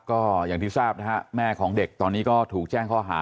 ก็อย่างที่ทราบนะฮะแม่ของเด็กตอนนี้ก็ถูกแจ้งข้อหา